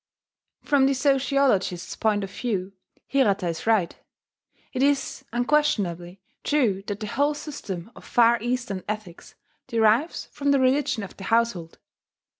From the sociologist's point of view, Hirata is right: it is unquestionably true that the whole system of Far Eastern ethics derives from the religion of the household.